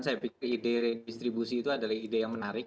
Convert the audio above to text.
saya pikir ide redistribusi itu adalah ide yang menarik